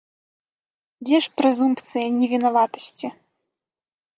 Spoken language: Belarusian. Дзе ж прэзумпцыя невінаватасці?